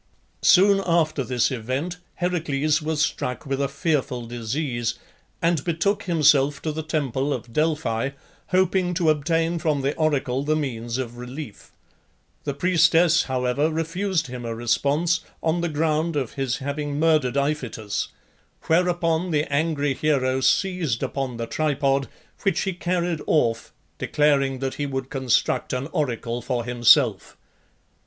Soon after this event Heracles was struck with a fearful disease, and betook himself to the temple of Delphi, hoping to obtain from the oracle the means of relief. The priestess, however, refused him a response on the ground of his having murdered Iphitus, whereupon the angry hero seized upon the tripod, which he carried off, declaring that he would construct an oracle for himself.